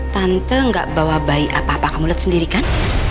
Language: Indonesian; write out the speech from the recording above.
tante gak bawa bayi apa apa kamu lihat sendiri kan